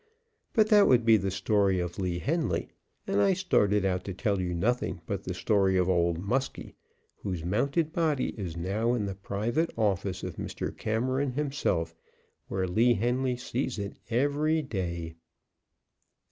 But that would be the story of Lee Henly, and I started out to tell you nothing but the story of Old Muskie, whose mounted body is now in the private office of Mr. Cameron himself, where Lee Henly sees it every day.